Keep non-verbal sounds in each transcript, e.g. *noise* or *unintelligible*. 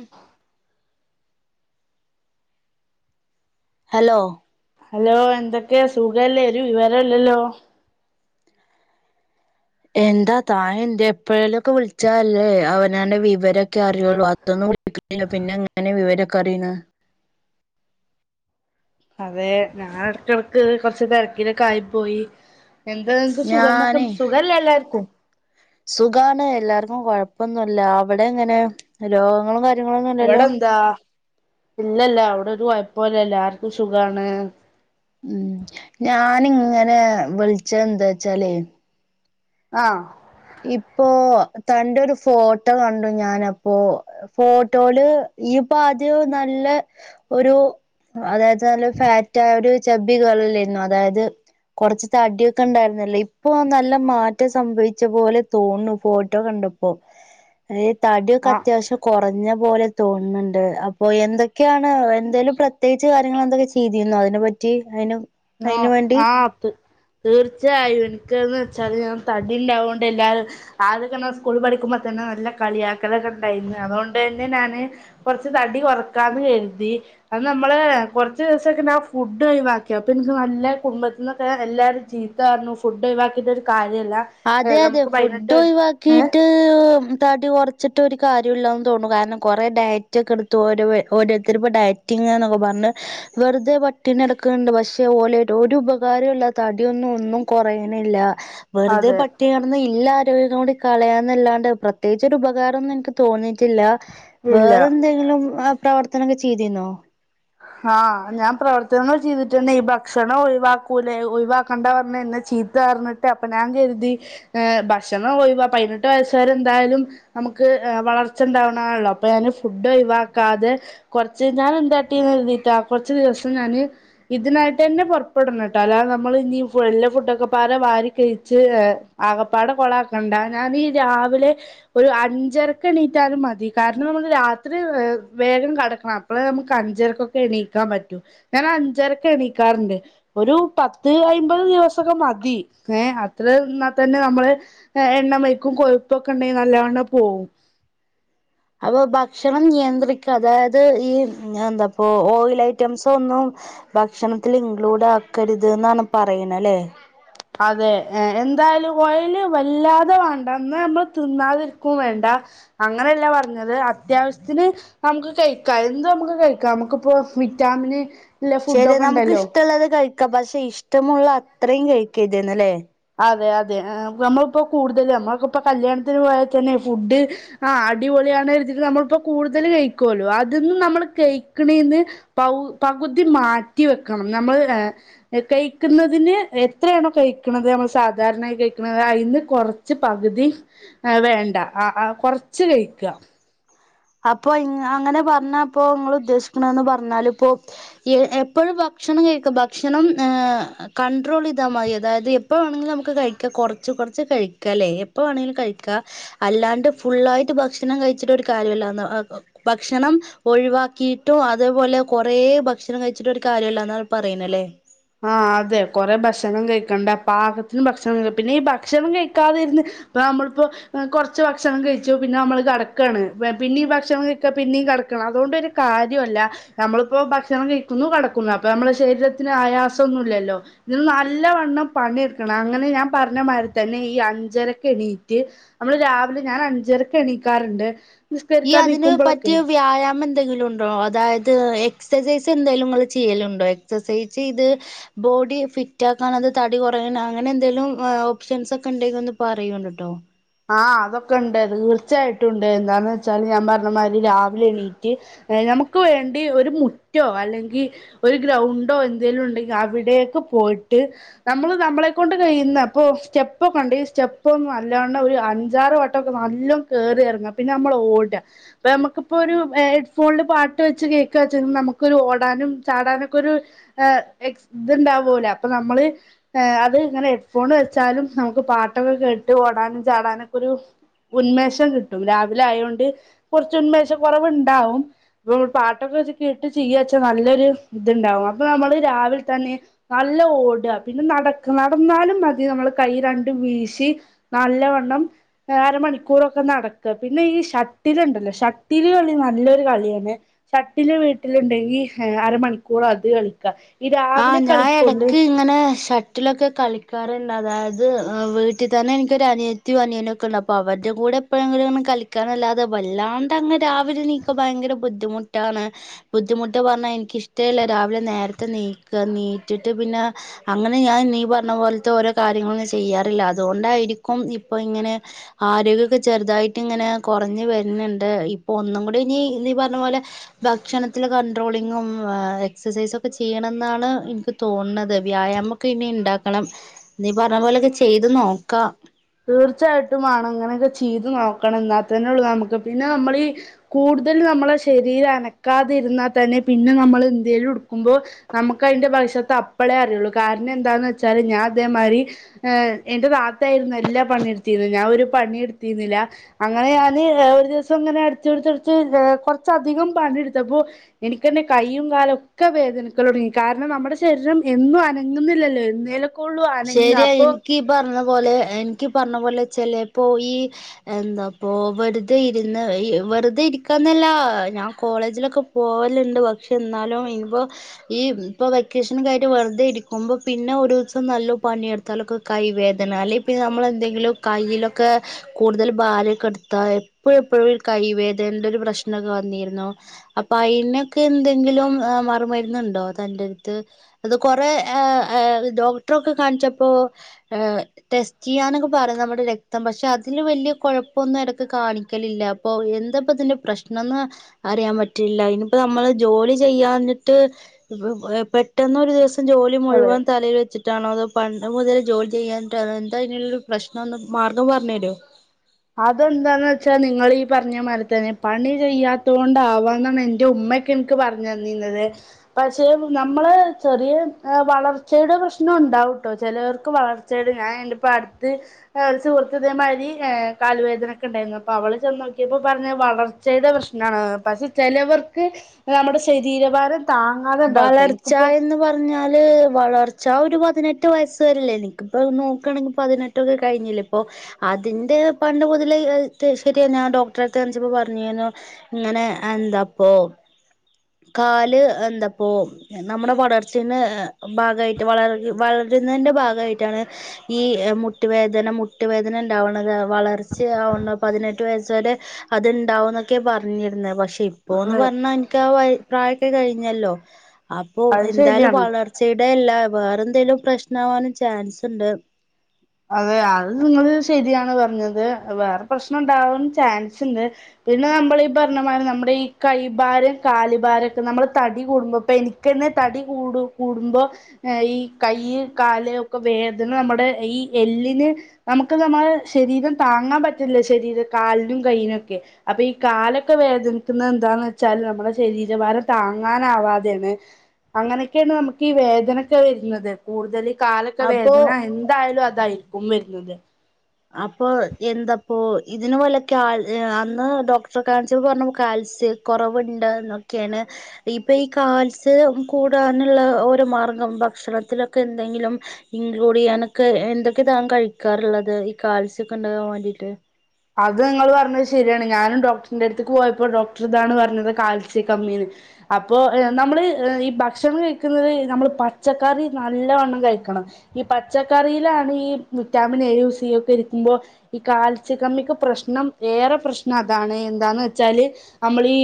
ഉം hello hello എന്തൊക്കെയാ സുഖല്ലേ ഒരു വിവരല്ലല്ലോ എന്താ താ എന്തേ എപ്പോഴേങ്കിലൊക്കെ വിളിച്ചല്ലേ അവനാന്റെ വിവരൊക്കെ അറിയുള്ളു അതൊ *unintelligible* *unintelligible* പിന്നെ എങ്ങനെ വിവരൊക്കെ അറിയാണ് അതെ ഞാൻ ഇടക്കിടക്ക് കൊറച്ച് തിരക്കിലൊക്കെ ആയി പോയി എന്താ നിക്ക് *unintelligible* സുഖല്ലേ എല്ലാർക്കും സുഖണ് എല്ലാർക്കും കുഴപ്പൊന്നുല്ല അവിടെ എങ്ങനെ രോഗങ്ങളും കാര്യകൾ ഇവിടെന്നതാ ഇല്ലല്ല ഇവിട ഒരുകൊഴപ്പൊല്ലഎല്ലാവർക്കും സുഖാണ് മ് ഞാന് ഇങ്ങനെ വിളിച്ചെന്താച്ചാലേ ആ ഇപ്പോ തന്റെ ഒരു ഫോട്ടോ കണ്ടു ഞാനപ്പോ ഫോട്ടോയില് ഇയ്പ്പൊ ആദ്യം നല്ല ഒരു അതായത് നല്ല ഫാറ്റയൊരു ചബ്ബിഗേളല്ലായിരുന്നോ അതായത് കൊറച്ച് തടിയൊക്കെ ഉണ്ടായിരുന്നല്ലോ ഇപ്പൊ നല്ല മാറ്റം സംഭവിച്ചു തടിച്ച പോലെ തോന്ന്ണു ഫോട്ടോ കണ്ടപ്പോ തടിയൊക്കെ ആഹ് അത്യാവശ്യം കുറേ കുറഞ്ഞ പോലെതോന്ന്ണ്ട് അപ്പൊ എന്തൊക്കെയാണ് എന്തേലും പ്രത്യേകിച്ച് കാര്യങ്ങൾ എന്തൊക്കെ ചെയ്തിന്നോ അതിനെ പറ്റി ആയെന്നു ആ ആപ്പ് തീർച്ചയായും ഇനിക്ക് ന്താച്ചാല് ഞാൻ തടി ഉണ്ടാവുകൊണ്ട് എല്ലാരും ആദ്യൊക്കെ സ്കൂൾ പഠിക്കുമ്പോൾ തന്നെ നല്ല കളിയാക്കലൊക്കെ ഇണ്ടായിനിം അതുകൊണ്ട് തന്നെ ഞാന് കൊറച്ച് തടി കൊറക്കാന്ന് കരുതി അത് നമ്മള് കുറച്ചു ദിവസം *unintelligible* ഫുഡ് ബാക്കി അപ്പൊ എനിക്ക് നല്ല കുടുംബത്തിൽന്നൊക്കെ എല്ലാരും ച്ചീത്തറഞ്ഞു ഫുഡ് ഒഴവാക്കീട്ട് ഒരു കാര്യ *unintelligible* അതെ അതെ ഫുഡ് ഏ ഒഴിവാക്കീട്ട് തടി കുറച്ചിട്ട് *unintelligible* കാര്യല്ലെന്ന് തോന്നുണു കാരണം കുറേ ഡയറ്റൊക്കെ എടുത്തു ഓരോ ഓരോരുത്തരു ഇപ്പോ ഡയറ്റിങ് എന്ന് പറഞ്ഞ് *unintelligible* വെറുതെ പട്ടിണികിടന്നക്കുന്നുണ്ട് പക്ഷേ *unintelligible* ഒരു ഉപകാരമുള്ള തടിയൊന്നും ഒന്നും കുറയണില്ല വെറുതെ അതെ പട്ടിണികടന്ന് ഇള്ള ആരോഗ്യം കൂടി കളയാന്നല്ലാണ്ടെ പ്രത്യേകിചൊരു ഉപകാരൊന്നും ഇനിക്ക് തോന്നി ല്ല വേറെ ഇല്ല എന്തെങ്കിലും പ്രവർത്തനൊക്കെ ചെയ്തീനോ ആ ഞാൻ പ്രവർത്തനങ്ങൾ ചെയ്തിട്ടന്നെ ഈ ഭക്ഷണം ഒഴിവാക്കൂലേ ഒഴിവാക്കണ്ട പറഞേ ചീത്തർഞ്ഞിട്ട് അപ്പൊ ഞാൻ കരുതി ഭക്ഷണം പോയി പതിനെട്ട് വയസ്സരെ എന്തായാലും നമുക്ക് വളർച്ച ഉണ്ടാവ്ണാണല്ലോ അപ്പൊ ഞാന് ഫുഡ് ഒഴിവാക്കാതെ കുറച്ച് ഞാൻ എന്ത ണ്ട് കര്തിട്ടാ കുറച്ച് ദിവസം ഞാന് ഇതിനായിട്ട് തന്നെ പുറപ്പെടണം ട്ടാ അല്ലാതെ നമ്മള് ഞ്ഞി വല്ലോം ഫുഡൊക്കെ പാടെ വാരി കഴിച്ച് ആകപ്പാടെ കൊളാക്കണ്ട ഞാൻ ഈ രാവിലെ ഒരു അഞ്ചരക്കെണീറ്റാലും മതി കാരണം ഞമ്മള് രാത്രി വേഗം കടക്കണം അപ്പെളെ ഞമ്മക്ക് അഞ്ചരക്കൊക്കെ എണീക്കാൻ പറ്റും ഞാൻ അഞ്ചരയ്ക്ക് എണീക്കാറുണ്ട് ഒരു പത്ത് അയ്മ്പത് ദിവസെ മതി ഏ അത്രാൽ തന്നെ നമ്മള് എണ്ണ വയ്ക്കും കൊഴപ്പ ഒക്കെ ഉണ്ടെ ന അല്ലണ പോവും അപ്പൊ ഭക്ഷണം നിയന്ത്രിക്ക അതായത് ഈ എന്താപ്പ ഓയിൽ ഐറ്റംസ ഒന്നും ഭക്ഷണത്തിൽ ഇൻക്ലൂഡ് ആക്കരുത് എന്നാണ് പറയണ അല്ലേ അതെ എന്തായാലും കോൽ വല്ലാതെ വേണ്ടന്ന് നമ്മൾ തിന്നാതിരിക്കും വേണ്ട അങ്ങനെ ല്ല പറഞ്ഞത് അത്യാവശ്യത്തിന് നമുക്ക് കഴിക്കാം എന്ത് നമുക്ക് കഴിക്കാം നമുക്കിപ്പോ വിറ്റാമിന് ഇല്ല ശരി ഫുഡൊക്കെ നമുക്ക് ഉണ്ടല്ലോ ഇഷ്ടമുള്ളത് കഴിക്കാം പക്ഷെ ഇഷ്ടമുള്ള അത്രയും കഴിക്കാം ഇതന്നല്ലേ അതെ അതെ നമ്മളിപ്പോ കൂടുതൽ നമ്മക്കിപ്പോ കല്യാണത്തിന് പോയാൽ തന്നെ ഫുഡ് ആ അടിപൊളി നമ്മ കൂടുതൽ കഴിക്കല്ലോ അത് നമ്മ കഴിഞ്ഞതിനു പകുതി മാറ്റി വെക്കണം നമ്മൾ കഴിക്കുന്നതിന് എത്രണോ കഴി കുന്നത് നമ്മൾ സാധാരണായി കഴിക്ക അതിന്ന് കുറച്ച് പകുതി വേണ്ട കുറച്ചു കഴിക്കുക അപ്പൊ അങ്ങനെ പറഞ്ഞാപ്പോ നിങ്ങൾ ഉദ്ദേശിക്കണന്ന് പറഞ്ഞാല ഇപ്പോ എപ്പോഴും ഭക്ഷണം കഴിക്കാം ഭക്ഷണം കണ്ടട്രോൾ ചെയ്താൽ മതി അതായത് എപ്പോഴ വേണെങ്കിലും നമുക്ക് കഴിക്കാം കുറച്ച് റച്ച് കഴിക്കല്ലേ എപ്പാണെങ്കിലും കഴിക്കുക അല്ലാണ്ട് ഫുള്ളായിട്ട് ഭക്ഷണം കഴിച്ചിട്ട ഒരു കാര്യമുണ്ടാവൂല ഭക്ഷണം ഒഴിവാക്കിയിട്ടും അതേപോലെ കുറേ ഭക്ഷണം കഴിച്ചിട്ടും ഒരു കാര്യല്ല എന്ന പറയുന്നല്ലേ ആഹ അതെ കൊറെേ ഭക്ഷണം കഴിക്കണ്ട പാകത്തിന് ഭക്ഷണം കഴിക്ക പിന്നെ ഈ ഭക്ഷണം കഴിക്കാതിരുന്ന് അപ്പ നമ്മളിപ്പോ കുറച്ച് ഭക്ഷണം കഴിച്ചു പിന്നെ നമ്മള് തണുക്കുവാണ് പിന്നെഈ ഭക്ഷണം കഴിക്ക പിന്നെ ടണം അതുകൊണ്ട്ൊരു കാര്യല്ല നമ്മളിപ്പോ ഭക്ഷണം കഴിക്കുന്നു കിടക്കുന്നു അപ്പൊ നമ്മുടെ ശരീരത്തിന് ആയാസം ഒന്നല്ലല്ലോ ഇ നല്ലവണ്ണം പണിെടുക്കണം അങ്ങനെ ഞാൻ പറഞ്ഞ മാതിരി തന്നെ ഈ അഞ്ചര എണീറ്റ് നമ്മള് രാവിലെ ഞാൻ അഞ്ചരക്ക എണീക്കാറുണ്ട് ഈ നിസ്കരിക്കാൻ അതിനന് നിക്കുമ്പളൊക്കെ പറ്റിയ വ്യായാമം എന്തെങ്കിലും ഉണ്ടോ അതായത് എക്സസൈസ് എന്തായാലും ചെയ്യലുണ്ടോ എക്സസൈസ് ഇത് ബോഡി ഫിറ്റ് ആ തടി കുറയാൻ അങ്ങനെ എന്തേലും ഓപ്ഷൻസ് ഒക്കെ ഉണ്ടെങ്ക ഒന്ന് പറയ കേട്ടോ ആഹ് അതൊക്കെ ഉണ്ട് തീർച്ചയായിട്ടും ഉണ്ട് എന്താ വെച്ചാല് ഞാൻ പറഞ്ഞ മാതിരി രാവിലെ എണീറ്റ് നമുക്ക് വേണ്ടി ഒരു മുറ്റോ അല്ലെങ്കിൽ ഒരു ഗ്രൗണ്ടോ എന്തെങ്കലും ഉണ്ടെങ്കിൽ അവിടെയൊക്കെ പോ പോയിട്ട് നമ്മള് നമ്മളെ കൊണ്ട് കയ്യുന്ന പ്പോ സ്റ്റെപ്പക്ക സ്റ്റെപൊക്കെണ്ട് സ്റ്റെപ്പൊന്നാ ണ് ഒര് അഞ്ചാറ് വട്ടൊക്കെ നല്ല കേറി എർങ്ങ പിന്നെ നമ്മളൊടാ ഇപ്പൊ നമ്മക്കിപ്പോരു ഏഹ് *unintelligible* ഫോണില് പാട്ട് വെച്ച് കേക്കാച്ച നമക്കൊരു ഓടാനും ചാടാനൊക്കൊരു ഏഹ് ത് ണ്ടവോലൊ അപ്പ നമ്മള് അത് ഇങ്ങനെ ഹെഡ്ഫോൺ വെച്ചാലും നമക്ക് പാട്ടൊക്കെ കേട്ട് ഓടാനും ചാടാനൊക്കൊരു ഉന്മേഷം കിട്ടും രാവിലായോണ്ട് കൊർച്ച് ഉന്മേഷ കൊറവ്ണ്ടാവും പ്പൊ പാട്ടൊക്കെ ക്കെ കേട്ട് ചെയ്യച്ച നല്ലൊര് ത്ണ്ടാവും അപ്പൊ നമ്മള് രാവിൽ തന്നെ നല്ല ഓടാ പി ന്നെ നടക്കാ നടന്നാലും മതി നമ്മൾ കൈ രണ്ടും വീശി നല്ലവ ണ്ണം ഏഹ് അരമണിക്കൂറൊക്കെ നടക്ക പിന്നെ ഈ ഷട്ടില്ണ്ടല്ലോ ഷട്ടില് കളി നല്ലൊരു ക ളിയാണ് ഷട്ടില് വീട്ടില്ണ്ടങ്കി ഏഹ് അരമണിക്കൂറത് കളിക്കാം ആഹ് ഞാ എടക്ക് ഇങ്ങനെ ഷട്ടിലൊക്കെ കളിക്ക് കറി ണ്ടതായത് വീട്ടി തന്നെ ഇൻക്കൊരനിയത്തിം അനിയനൊക്കെണ്ട് അപ്പൊ അവര്ടെ കൂടെ എപ്പഴെങ്കിലും നമ്മക്ക് കളിക്കാനല്ലാതെ വല്ലാണ്ടങ്ങ് രാവിലെ നീക്ക ഭയങ്കര ബുദ്ധിമുട്ടാണ് ബുദ്ധിമുട്ട് പർഞ്ഞ ന്നെ എനിക്കിഷ്ടവില്ല രാവിലെ നേരത്തെ നീ ക്കാ നീറ്റിട്ട് പിന്നെ അങ്ങനെ ഞാൻ നീ പറഞ്ഞ പോലത്തെ ഓരോ കാര്യങ്ങളൊന്നും ചെയ്യാറില്ല അതുകൊണ്ടായി രിക്കും ഇപ്പോ ഇങ്ങനെ ആരോഗ്യൊക്കെ ചെറുതായിട്ട് ഇങ്ങനെ കൊറഞ്ഞ് വര്ണ് ണ്ട് ഇപ്പോ ഒന്നും *unintelligible* ഇനി നീ പറഞ്ഞപോലെ ഭക്ഷണത്തില് കൺട്രോളിങ്ങും എക്‌സസൈസൊക്കെ ചെയ്യണ ന്നാണ് എനിക്ക് തോന്ന്ണത് വ്യായാമൊക്കെ ഇനി ഇണ്ടാക്കണം നീ പറഞ്ഞ പോലെയൊക്കെ ചെയ്ത് നോക്കാം തീർച്ചാട്ടും വാണം ഇങ്ങനെയൊക്കെ ചെയ്ത് നോക്കണം എന്നാത്തന്നെ ഉള്ളൂ നമുക്ക് പിന്നെ നമ്മളി ഈ കൂടുതൽ നമ്മള് ശരീരം അനക്കാതിരുന്നാ തന്നെ പിന്നെ നമ്മള് എന്തേലും എടുക്കുമ്പോ നമുക്കതിന്റെ ഭവിഷത്താ അപ്പളേ അറിയുള്ളൂ കാരണം എന്താന്ന് വെച്ചാല് ഞാൻ അതേതിരി ഏഹ് എന്റെ താത്തായി ആയിരുന്നു എല്ലാ പണി എടുത്തിര്ന്നെ ഞാൻ ഒരു പണിയും എടുത്തിരുന്നില്ല അങ്ങനെ ഞാന് ഒരു ദിവസം ഇങ്ങനെ അടുത്തടുത്തടുത്ത് കൊറച്ചധികം പണിയെടുത്തപ്പോ എനിക്കന്നെ കയ്യും കാലുഒക്കെ വേദനിക്കല് തൊടങ്ങി കാരണം ന മ്മടെ ശരീരം എന്നും അനങ്ങുന്നില്ലല്ലോ എന്നേലും ശരിയാ എനിക്ക് പറഞ്ഞ പോലെ എനിക്ക് പറഞ്ഞ പോലെ ചെലേപ്പോ ഈ എന്താപ്പോ വെറുതെ ഇരുന്ന് ഇ വെറുതെ ഇരിക്കാന്നല്ല ഞാൻ കോളേജിലൊക്കെ പോവല്ണ്ട് പക്ഷെ എന്നാലും ഇനിപ്പോ ഈ *unintelligible* ഇപ്പൊ വെക്കേഷനൊകായിട്ട് വെറ്തെ ഇരിക്കുമ്പോ പിന്നെ ഒരുസം നല്ല പണിയെടുത്താലൊക്കെ കൈ വേദന അല്ലെെ പിന്നെ നമ്മളെന്തെങ്കിലും കയ്യിലൊക്കെ കൂടുതൽ ഭാരക്കെട് ദ എപ്പഴു എപ്പഴും കൈവേദൻ്റൊരു പ്രശ്നം വന്നിരുന്നു. അപ്പൊ അയിനൊക്കെ എന്തെ ങ്കിലും മറുമര്ന്നുണ്ടോ തന്റട്ത്ത് അത് കൊറേ ഏ ഏ ഡോക്ടറ കാണിച്ചപ്പോ ഏ ടെസ്റ്റയ്യാനൊക്കെ പറിം നമ്മുടെ രക്തം പക്ഷെ അതില് വലിയ കുഴപ്പൊന്ന് എടക്ക് കാണിക്കലില്ലപ്പൊ എന്ത പതിന് പ്രശ്നംന്ന് അറിയാൻ പറ്റില്ല. ഇനിപ്പോ നമ്മൾ ജോ പൊലി ചെയ്യാഞ്ഞിട്ട് *unintelligible* പെട്ടെന്നൊരു ദിവസം ജോലി അതെ മുഴുവൻ തലയിൽ വെച്ചിട്ടാണോ അതോ പണ്ട് മുതൽ ജോലി ചെയ്യാൻട്ടാണോ എന്താ അയ്നുള്ള പ്രശ്നംന്ന് മാർഗം പറഞ്ഞരോ? അതെന്താന്ന് വെച്ചാ നിങ്ങളീ പറഞ്ഞമാരി തന്നെ പണി ചെയ്യാത്തോണ്ടാവാണം എൻ്റെ ഉ മ്മക്കൻക്ക് പറഞ്ഞന്നീന്നത് പക്ഷെ നമ്മള് ചെറിയ വളർച്ചയുടെ പ്രശ്ന *unintelligible* ഉണ്ടാവും ട്ടോ ചെലോർക്ക് വളർച്ചയട് ഞാന്പ്പട്ത്ത് ഒരു സുഹൃത്ത് ഇതേമാരി കാല് വേദനൊക്കെണ്ടായിരുന്നു അപ്പൊ അവള് ചെന്നോക്കിയപ്പോ പറഞ്ഞ വളർച്ചയുടെ പ്രശ്നാണ് പക്ഷെ ചെലവർക്ക് നമ്മുടെ ശരീരഭാരം താങ്ങാതെ ഉണ്ടാവട്ടോ വളർച്ച എനിക്കിപ്പോ എന്ന് പറഞ്ഞാല് വളർച്ച ട്ടാ ഒരു പതിനെട്ട് വയസ്സ് വരല്ലേ നിക്ക്പ്പോ നോക്കാണെങ്കി പതിനെട്ടൊക്കെ കഴിഞ്ഞില്ലേ ഇപ്പോ അതിന്റെ പണ്ട് മുതലേ *unintelligible* ശെരിയ ഞാൻ ഡോക്‌ട്രട്ത്ത് കാൺച്ചപ്പോ പറഞ്ഞീനു ഇങ്ങനെ എന്താപ്പോ *unintelligible* കാല് എന്താപ്പോ നമ്മ്ടെ വളർച്ചെന്ന്‌ ഭാഗായിട്ട് വളർ വള ത് ന്നേന്റെ ഭാഗായിട്ടാണ് ഈ മുട്ടുവേദന മുട്ടുവേദന ഉണ്ടാവ്ണത് വളർച്ച പതിനെട്ട് വയസ് വരെ അത്ണ്ടാവന്നൊക്കെ പറഞ്ഞിര്ന്നെ പക്ഷെ ഇപ്പോന്ന് പറ പ്രയൊക്കെ കഴിഞ്ഞല്ലോ അപ്പോ അത് എന്താലും ശരിയാണ് വളർചേടല്ലാ വേറെ എന്തേലും പ്രശ്നവാനും ചാൻസ്ണ്ട്. അതെ അത് നിങ്ങള് ശരിയാണ് പറഞ്ഞത് വേറെ പ്രശ്നം ഉണ്ടാവും ചാൻസ്ണ്ട് പിന്നെ നമ്മൾ ഈ പറഞ്ഞമാരി നമ്മ്ടെ ഈ കൈഭാരം കാലു ഭാരൊക്കെ നമ്മള് തടി കൂടുമ്പോ പെനിക്കന്നെ *unintelligible* തടി കൂടു കൂടുമ്പോ *unintelligible* ഈ കൈയ്യ് കാല് *unintelligible* വേദന നമ്മടെ ഈ എല്ലിന് നമുക്ക് നമ്മളെ ശരീരം താങ്ങാൻ പറ്റില്ല ശരീര കാൽ നും കയ്യിനൊക്കെ അപ്പൊ ഈ കാലൊക്കെ വേദനിക്കുന്നത് എന്താന്നെച്ചാല് നമ്മുടെ ശരീരഭാരം താങ്ങാനാവാതേണ്. അങ്ങനൊക്കെയാണ് നമുക്ക് ഈ വേദനൊക്കെ വരുന്നത് കൂടുതൽ കാലൊക്കെ അപ്പോ വേദന എന്തായാലും അതായിരിക്കും വര്ന്നത് അപ്പൊ എന്താപ്പോ ഇതിന് വല്ല കാ *unintelligible* അന്ന് ഡോക്ടറെ കാൺച്ചപ്പോ പറഞ്ഞ *unintelligible* സ് കൊറവ്ണ്ട്നൊക്കെണ് ഇപ്പൊ ഈ കാൽസ് കൂടാന്ള്ള ഒരു മ *unintelligible* ഭക്ഷണത്തിലൊക്കെന്തെങ്കിലും ഇൻക്ലൂഡെയ്യാനൊക്കെ എ എന്തൊക്കെ താൻ കഴിക്കാറ്ള്ളത് കാൽസ്യക്കെ ഉണ്ടാകാൻ വാണ്ടിട്ട് അത് ഇങ്ങൾ പറഞ്ഞത് ശരിയാണ് ഞാനും ഡോക്ട്രിന്റെ ടുത്ത്ക്ക് പോയപ്പോ ഡോക്ട്രർതാണ് പറഞ്ഞത് കാൽസ്യ കമ്മീന്ന് അപ്പോ നമ്മള് ഈ ഭക്ഷണം കഴിക്കുന്നത് നമ്മള് പച്ചക്കറി നല്ലവണ്ണം കഴിക്കണം ഈ പച്ചക്കറിയിലാണ് ഈ വിറ്റാമിൻ എ യു സി ഒക്കെ ഇരിക്കുമ്പോ ഈ കാൽ ൽസ്യ കമ്മിക്ക് പ്രശ്നം ഏറെ പ്രശ്നം അതാണ് എന്താ വെച്ചാല് നമ്മളീ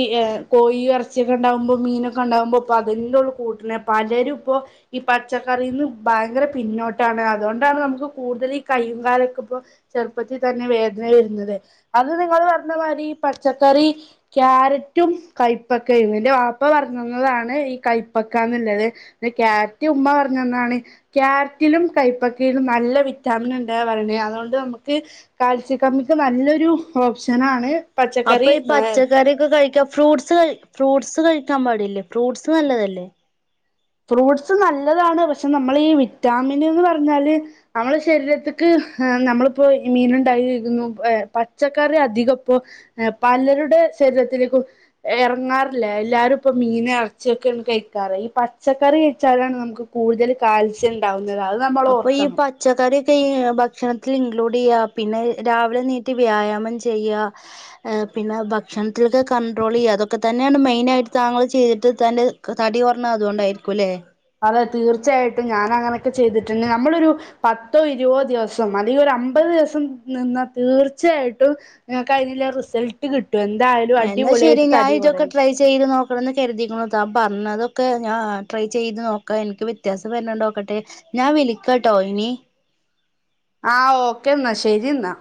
കോ ഇറച്ചിയൊക്കെ ണ്ടാവുമ്പോ മീനൊക്കെ ണ്ടാകുമ്പോ പ്പൊ അതന്നെ ഉള്ളൂ കൂട്ടണ് പലരും ഇപ്പോ ഈ പച്ചക്കറിന്നും ഭയങ്കര പിന്നോട്ടാണ് അതുകൊണ്ടാണ് നമുക്ക് കൂടുതൽ ഈ കയ്യും കാലൊക്കെ ഇപ്പോ ചെറുപ്പത്തിൽ തന്നെ വേ ര *unintelligible* അത് നിങ്ങൾ പറഞ്ഞ മാരി പച്ചക്കറി കാരറ്റും, കൈപക്കാ ഇന്നിന്റെ വാപ്പ പറഞ്ഞന്നതാണ് ഈ കൈപ്പക്കന്നുള്ളത് ക്യാരറ്റ് ഉമ്മ പറഞ്ഞന്നാണ് ക്യാരറ്റിലും, കൈപ്പക്കീലും നല്ല വിറ്റാമിൻ ഉണ്ടേ പറീണേ അതുകൊണ്ട് നമുക്ക് കാൽസ്യ കമ്മിക്ക് നല്ലൊരു ഓപ്ഷനാണ് അപ്പൊ ഈ പച്ചക്കറി പച്ചക്കറീക്കെ കഴിക്കാ ഫ്രൂട്ടസ് കഴി ഫ്രൂട്സ് കഴിക്കാൻ പാടില്ലേ ഫ്രൂട്സ് നല്ലതല്ലേ ഫ്രൂട്സ് നല്ലതാണ് പക്ഷെ നമ്മളീ വിറ്റാമിന്ന് പറഞ്ഞാല് നമ്മളെ ശരീരത്തിക്ക് നമ്മളിപ്പോ മീനുണ്ടാക്കി കഴിക്കുന്നു പച്ചക്കറി അധികം ഇപ്പോ പലരുടെ ശരീരത്തിലേ ഇറങ്ങാറില്ല എല്ലാരും ഇപ്പ മീൻ ഇറച്ചിയൊക്കെയാണ് കഴിക്കാറ് ഈ പ പച്ചക്കറി കഴിച്ചാലാണ് നമുക്ക് കൂടുതൽ കാൽസ്യം ഉണ്ടാവുന്നത് അത് നമ്മൾ അപ്പൊ ഈ ഓർക്കണം പച്ചക്കറി ഭക്ഷണത്തിൽ ഇൻക്ലൂഡ് ചെയ്യാ പിന്നെ രാവിലെ നീറ്റ് വ്യായാമം ചെയ്യാ പിന്നെ ഭക്ഷണത്തിലൊക്കെ കണ്ട്രോൾ ചെയ്യുക അതൊക്കെ തന്നെയാണ് മെയിൻ ആയിട്ട് താങ്കൾ ചെയ്തിട്ട് തന്റെ തടി കൊറണ ആ അതൊണ്ടായിരിക്കുംല്ലേ അത തീർച്ചയായിട്ടും ഞാന ങ്ങനെയൊക്കെ ചെയ്തിട്ടുണ്ടെ നമ്മളൊരു പത്തോ ഇരുപോ ദിവസം അല്ലെങ്കിൽ ഒരു അമ്പത് ദിവസം നിന്നാ തീർച്ചയായിട്ടും നിങ്ങൾക്ക് അയ്നുള്ള റിസൾട്ട് കിട്ടും എന്തായാലും എന്നാ ശരി അടിപൊളിയായിട്ട് ഞാൻ തടി ഇതൊക്കെ കുറയും ട്രൈ ചെയ്ത് നോക്കണംന്ന് കരുതിക്ക്ണൂ ത ന്നാതൊക്കെ ഞാ ട്രൈ ചെയ്ത് നോക്കാ എനിക്ക് വ്യത്യാസം വരുന്നുണ്ടോ നോക്കട്ടെ ഞാൻ വിളിക്കട്ടോ ഇനി ആ ഓക്കേ ന്നാ ശരി ന്നാ